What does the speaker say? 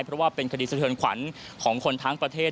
เพราะว่าเป็นคดีสะเทือนขวัญของคนทั้งประเทศ